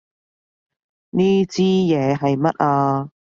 呢支嘢係乜啊？